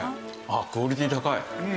あっクオリティ高い。